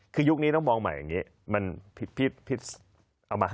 คือยุคนี้ต้องมองใหม่อย่างเงี้ยเอามา๕ข้อ